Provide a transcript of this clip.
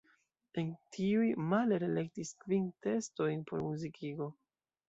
El tiuj Mahler elektis kvin tekstojn por muzikigo.